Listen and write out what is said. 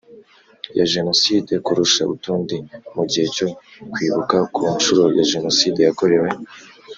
Ya jenoside kurusha utundi mu gihe cyo kwibuka ku nshuro ya jenoside yakorewe